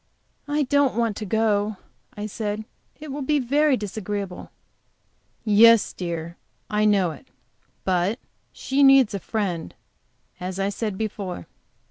"I don't want to go," I said. "It will be very disagreeable." "Yes, dear, I know it. But she needs a friend, as I said before."